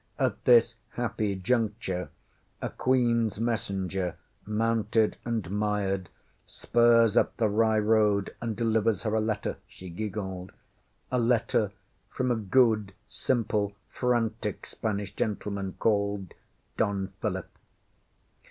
At this happy juncture a QueenŌĆÖs messenger, mounted and mired, spurs up the Rye road and delivers her a letterŌĆÖ she giggled ŌĆśa letter from a good, simple, frantic Spanish gentleman called Don Philip.